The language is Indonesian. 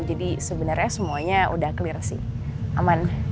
jadi sebenarnya semuanya udah clear sih aman